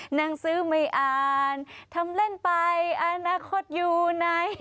หนังสือไม่อ่านทำเล่นไปอนาคตอยู่ไหน